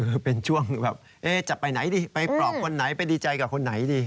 คือเป็นช่วงแบบจะไปไหนดีไปปลอบคนไหนไปดีใจกับคนไหนดี